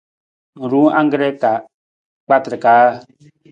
Ng ruu angkre ka kpatar kaa?